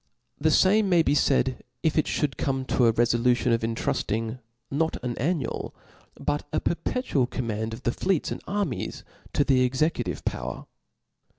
The fam^ may be faid, if it (hould come to a refolution of intrulling, not an annual, but a perpetual command, of the fleets 9ad armies to the executive power.